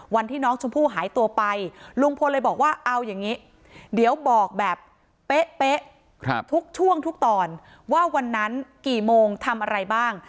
วันที่น้องชมพู่หายตัวไปลุงพลเลยบอกว่าเอาอย่างนี้เดี๋ยวบอกแบบเป๊ะทุกช่วงทุกตอนว่าวันนั้นกี่โมงทำอะไรบ้าง